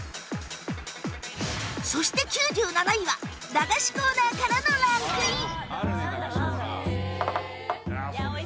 そして９７位は駄菓子コーナーからのランクイン！